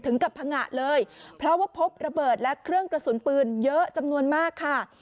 กับพังงะเลยเพราะว่าพบระเบิดและเครื่องกระสุนปืนเยอะจำนวนมากค่ะ